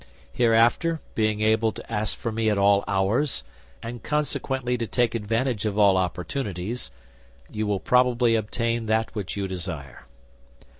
Hereafter, being able to ask for me at all hours, and consequently to take advantage of all opportunities, you will probably obtain that which you desire."